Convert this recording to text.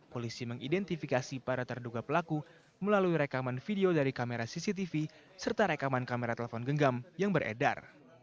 polisi mengidentifikasi para terduga pelaku melalui rekaman video dari kamera cctv serta rekaman kamera telepon genggam yang beredar